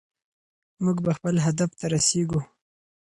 موږ به خپل هدف ته رسېږو.